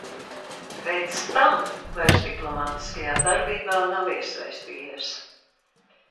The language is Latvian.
Pēc tam vairs diplomātiskajā darbībā nav iesaistījies.